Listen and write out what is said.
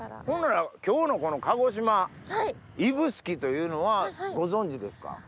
ほんなら今日のこの鹿児島指宿というのはご存じですか？